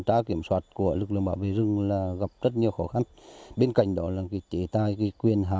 tra kiểm soát của lực lượng bảo vệ rừng là gặp rất nhiều khó khăn bên cạnh đó là cái chế tài quyền hạn